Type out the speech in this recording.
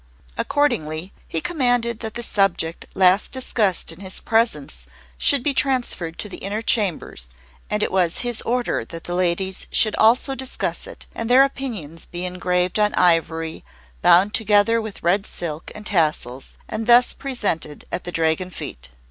Accordingly, he commanded that the subject last discussed in his presence should be transferred to the Inner Chambers, and it was his Order that the ladies should also discuss it, and their opinions be engraved on ivory, bound together with red silk and tassels and thus presented at the Dragon feet.